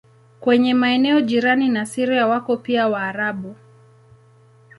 Kwenye maeneo jirani na Syria wako pia Waarabu.